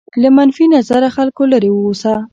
له منفي نظره خلکو لرې واوسه.